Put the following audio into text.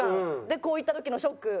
でこういった時のショック。